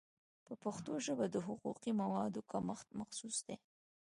په پښتو ژبه د حقوقي موادو کمښت محسوس دی.